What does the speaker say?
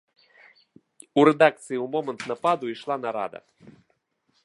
У рэдакцыі ў момант нападу ішла нарада.